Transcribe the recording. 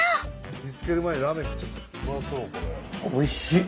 おいしい！